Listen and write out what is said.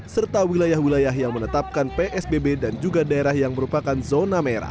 serta wilayah wilayah yang menetapkan psbb dan juga daerah yang merupakan zona merah